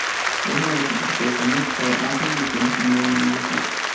Es hijo del compositor español Cristóbal Halffter y de la pianista María Manuela Caro.